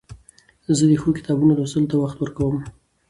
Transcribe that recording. زه د ښو کتابو لوستلو ته وخت ورکوم.